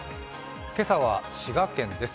今朝は、滋賀県です。